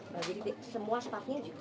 jadi semua staffnya juga